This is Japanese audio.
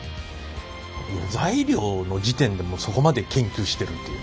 材料の時点でそこまで研究してるっていう。